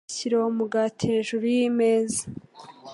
Shyira uwo mugati hejuru yimeza.